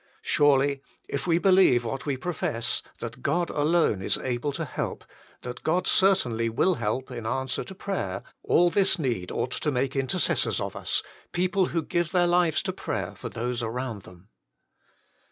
Surely, if we believe what we profess, that God alone is able to help, that God certainly will help in answer to prayer, all this need ought to make intercessors of us, people who give their lives to prayer for those around them.